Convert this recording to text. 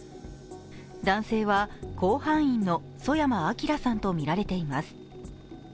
男性は甲板員の曽山聖さんとみられています。